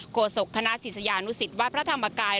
โศกคณะศิษยานุสิตวัดพระธรรมกาย